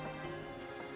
dia juga menangis